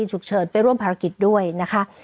ฉุกเฉินไปร่วมภารกิจด้วยนะคะ